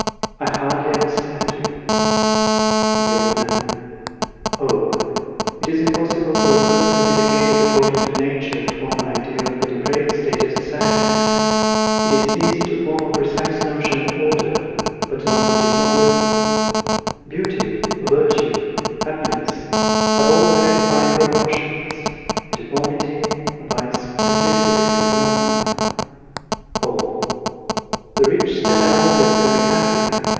I hardly understand you. The Old Man. Oh! it is impossible for a person educated according to nature to form an idea of the depraved state of society. It is easy to form a precise notion of order, but not of disorder. Beauty, virtue, happiness, have all their defined proportions; deformity, vice, and misery have none. Paul. The rich then are always very happy!